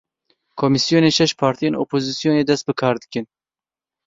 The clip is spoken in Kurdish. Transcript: Komîsyonên şeş partiyên opozîsyonê dest bi kar dikin.